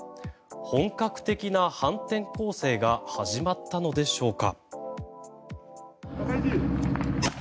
本格的な反転攻勢が始まったのでしょうか。